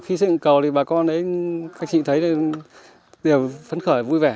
khi xây dựng cầu thì bà con thấy đều phấn khởi vui vẻ